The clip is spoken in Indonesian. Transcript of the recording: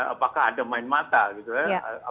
apakah ada main mata gitu ya